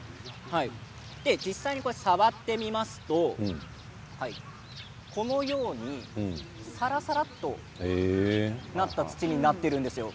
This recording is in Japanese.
実際に触ってみますとこのようにさらさらとなった土なんです。